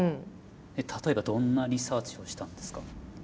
例えばどんなリサーチをしたんですか？